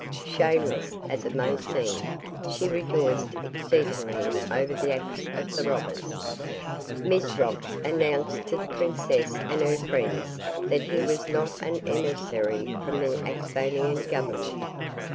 Shameless as it may seem, she rejoiced exceedingly over the acts of the robbers. Mizrox announced to the princess and her friends that he was not an emissary from the Axphainian government.